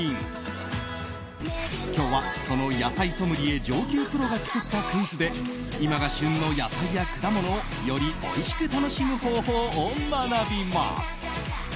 今日は、その野菜ソムリエ上級プロが作ったクイズで今が旬の野菜や果物をよりおいしく楽しむ方法を学びます。